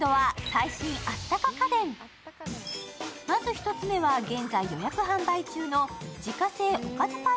まず１つ目は現在予約販売中の自家製おかず